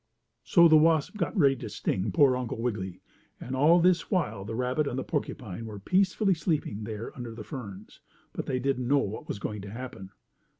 So the wasp got ready to sting poor Uncle Wiggily, and all this while the rabbit and the porcupine were peacefully sleeping there under the ferns, and they didn't know what was going to happen.